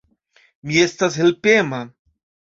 Mi estas helpema.